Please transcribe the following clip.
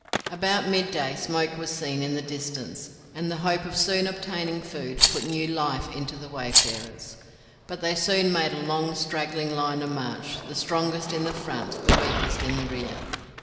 About midday smoke was seen in the distance, and the hope of soon obtaining food put new life into the wayfarers. But they soon made a long straggling line of march; the strongest in the front, the weakest in the rear.